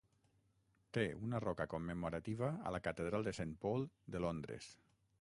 Té una roca commemorativa a la catedral de Saint Paul de Londres.